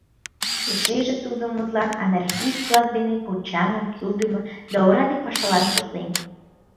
Эшеже тудо, мутлан, анархист-влак дене почаҥмым кӱлдымӧ да ораде пашалан шотлен.